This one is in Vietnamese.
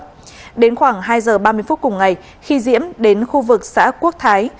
đến khoảng hai giờ ba mươi phút cùng ngày khi diễm đến khu vực xã quốc thái